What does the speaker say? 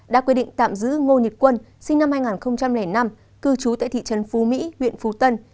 đã quyết định tạm giữ ngô nhật quân sinh năm hai nghìn năm cư trú tại thị trấn phú mỹ huyện phú tân